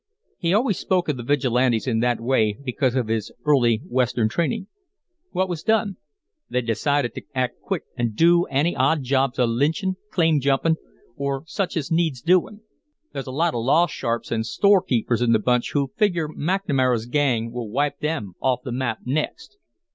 He always spoke of the Vigilantes in that way, because of his early Western training. "What was done?" "They decided to act quick and do any odd jobs of lynchin', claim jumpin', or such as needs doin'. There's a lot of law sharps and storekeepers in the bunch who figure McNamara's gang will wipe them off the map next."